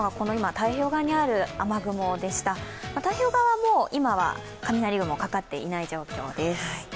太平洋側も今は雷雲かかっていない状況です。